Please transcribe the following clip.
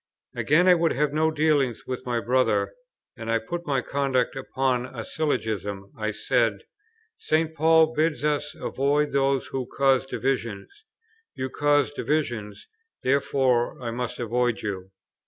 Again, I would have no dealings with my brother, and I put my conduct upon a syllogism. I said, "St. Paul bids us avoid those who cause divisions; you cause divisions: therefore I must avoid you."